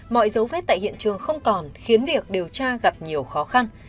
mọi dấu vết tại hiện trường không còn khiến việc điều tra gặp nhiều khó khăn